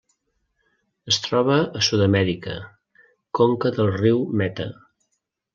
Es troba a Sud-amèrica: conca del riu Meta.